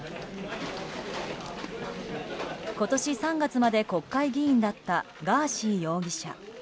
今年３月まで国会議員だったガーシー容疑者。